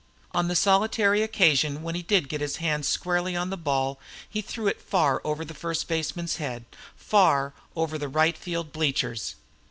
On the solitary occasion when he did get his hands squarely on the ball he threw it far over the first baseman's head, far over the right field bleachers.